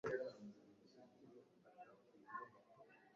Bari hamwe n’abandi bizera igihe intumwa zamaraga gusenga